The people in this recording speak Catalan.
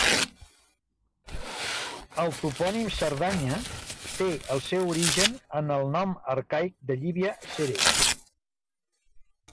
El topònim Cerdanya té el seu origen en el nom arcaic de Llivia, Cere.